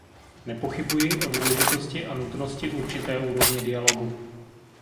Nepochybuji o důležitosti a nutnosti určité úrovně dialogu.